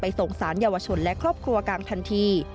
ส่งสารเยาวชนและครอบครัวกลางทันที